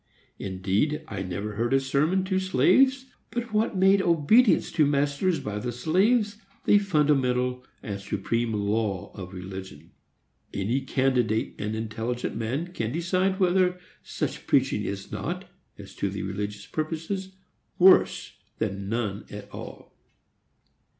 Indeed, I never heard a sermon to slaves but what made obedience to masters by the slaves the fundamental and supreme law of religion. Any candid and intelligent man can decide whether such preaching is not, as to religious purposes, worse than none at all.